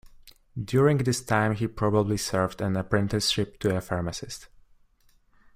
During this time he probably served an apprenticeship to a pharmacist.